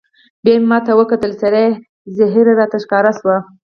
بیا یې ما ته وکتل، څېره یې زهېره راته ښکاره شوه.